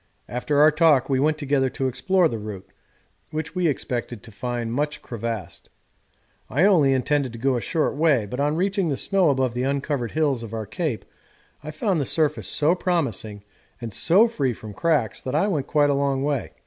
After our talk we went together to explore the route, which we expected to find much crevassed. I only intended to go a short way, but on reaching the snow above the uncovered hills of our Cape I found the surface so promising and so free from cracks that I went quite a long way.